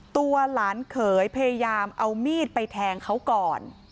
ตัวหลานเขยพยายามเอามีดไปแทงเขาก่อน